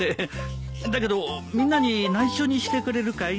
だけどみんなに内緒にしてくれるかい？